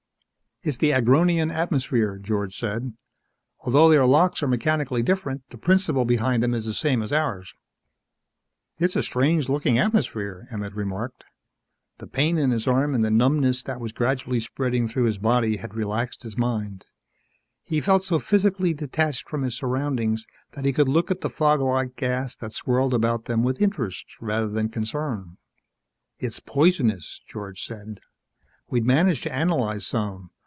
"It's the Agronian atmosphere," George said. "Although their locks are mechanically different, the principle behind them is the same as ours." "It's a strange looking atmosphere," Emmett remarked. The pain in his arm and the numbness that was gradually spreading throughout his body had relaxed his mind. He felt so physically detached from his surroundings that he could look at the fog like gas that swirled about them with interest rather than concern. "It's poisonous," George said. "We managed to analyze some.